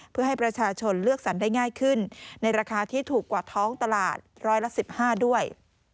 เพื่อให้ประชาชนเลือกสรรได้ง่ายขึ้นในราคาที่ถูกกว่าท้องตลาดร้อยละ๑๕ด้วย